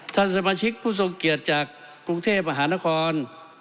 ท่านสมาชิกผู้ทรงเกียรติจากกรุงเทพมหานคร